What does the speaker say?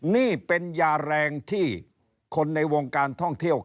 นี่เป็นยาแรงที่คนในวงการท่องเที่ยว